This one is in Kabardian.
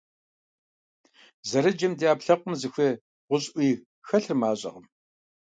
Зэрыджэм ди Ӏэпкълъэпкъыр зыхуей гъущӀуи хэлъыр мащӀэкъым.